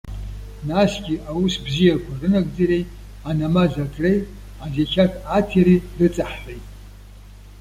Насгьы аус бзиақәа рынагӡареи, анамаз акреи, азеқьаҭ аҭиреи рыҵаҳҳәеит.